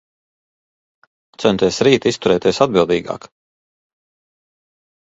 Centies rīt izturēties atbildīgāk.